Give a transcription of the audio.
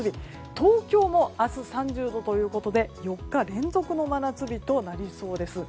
東京も明日３０度ということで４日連続真夏日となりそうです。